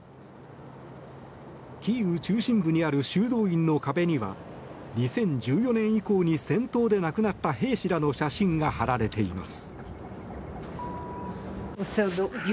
キーウ中心部にある修道院の壁には２０１４年以降に戦闘で亡くなった兵士らの写真が貼られています。